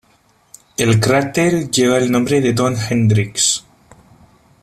El cráter lleva el nombre de Don Hendrix.